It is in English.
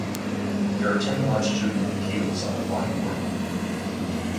There are ten longitudinal keels on the body whorl.